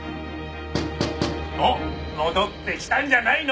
おっ戻ってきたんじゃないの？